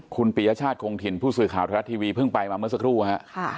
คุณปียชาติคงถิ่นผู้สื่อข่าวไทยรัฐทีวีเพิ่งไปมาเมื่อสักครู่ฮะ